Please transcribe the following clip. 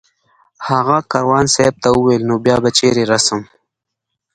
هغه کاروان صاحب ته وویل نو بیا به چېرې رسم